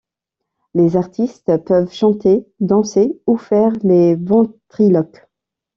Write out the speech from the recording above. Les artistes peuvent chanter, danser ou faire les ventriloques.